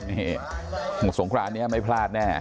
นี่สงครานนี้ไม่พลาดแน่